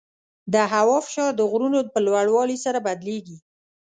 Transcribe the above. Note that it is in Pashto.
د هوا فشار د غرونو په لوړوالي سره بدلېږي.